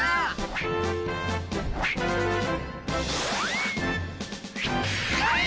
はい！